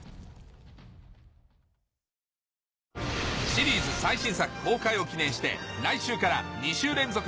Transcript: シリーズ最新作公開を記念して来週から２週連続